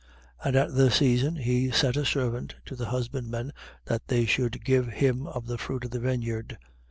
20:10. And at the season he sent a servant to the husbandmen, that they should give him of the fruit of the vineyard.